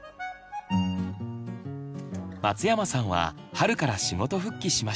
松山さんは春から仕事復帰しました。